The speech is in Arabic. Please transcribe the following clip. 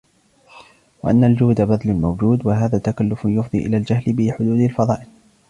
، وَأَنَّ الْجُودَ بَذْلُ الْمَوْجُودِ ، وَهَذَا تَكَلُّفٌ يُفْضِي إلَى الْجَهْلِ بِحُدُودِ الْفَضَائِلِ